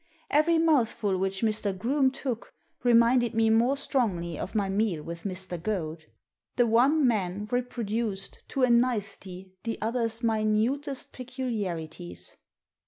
Every mouthful which Mr. Groome took reminded me more strongly of my meal with Mr. Goad. The one man reproduced, to a nicety, the other's minutest peculiarities.